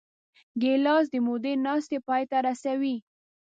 ګیلاس د مودې ناستې پای ته رسوي.